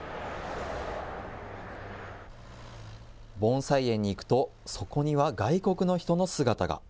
盆栽園に行くと、そこには外国の人の姿が。